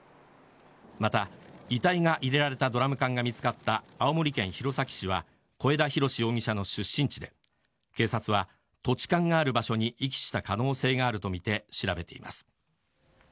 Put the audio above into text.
また、遺体が入れられたドラム缶が見つかった青森県弘前市は小枝浩志容疑者の出身地で警察は土地勘がある場所に遺棄した可能性があるとみて調べています。